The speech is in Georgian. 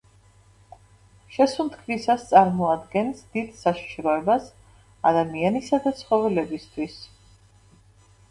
შესუნთქვისას წარმოადგენს დიდ საშიშროებას ადამიანისა და ცხოველებისათვის.